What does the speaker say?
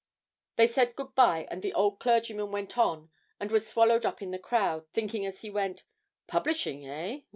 They said good bye, and the old clergyman went on and was swallowed up in the crowd, thinking as he went, 'Publishing, eh?